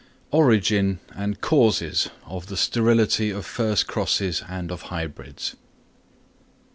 _Origin and Causes of the Sterility of first Crosses and of Hybrids.